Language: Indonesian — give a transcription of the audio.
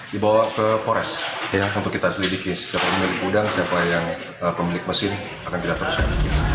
dibawa ke kores untuk kita selidiki siapa yang milik udang siapa yang pemilik mesin akan tidak teruskan